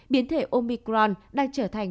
biến thể omicron đang trở thành